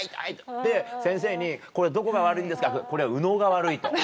で先生に「これどこが悪いんですか？」。「これは右脳が悪い」と。